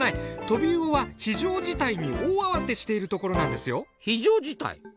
トビウオは非常事態に大慌てしているところなんですよ。非常事態？